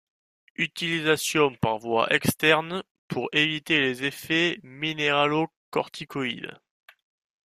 Utilisation par voie externe pour éviter les effets minéralocorticoïdes.